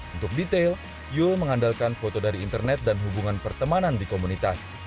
untuk detail yul mengandalkan foto dari internet dan hubungan pertemanan di komunitas